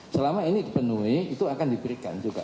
selama ini dipenuhi itu akan diberikan juga